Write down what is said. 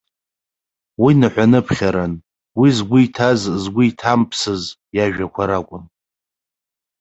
Уи ныҳәа-ныԥхьаран, уи згәы иҭаз згәы иҭамԥсыз иажәақәа ракәын.